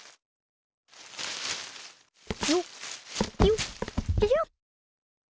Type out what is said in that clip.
よっよっ。